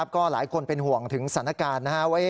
ก็หลายคนเป็นห่วงถึงสนาการนะฮะ